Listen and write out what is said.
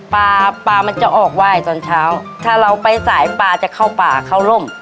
ปลาปลามันจะออกไหว้ตอนเช้าถ้าเราไปสายปลาจะเข้าป่าเข้าร่ม